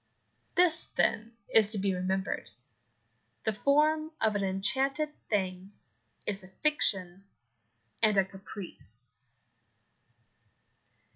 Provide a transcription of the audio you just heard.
This, then, is to be remembered the form of an enchanted thing is a fiction and a caprice.